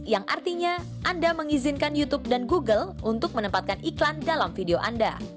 yang artinya anda mengizinkan youtube dan google untuk menempatkan iklan dalam video anda